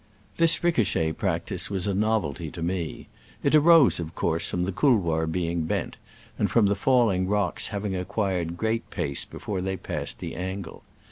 This ricochet practice was a novelty to me. It arose, of course, from the couloir being bent, and from the falling rocks having acquired great pace before they passed the angle.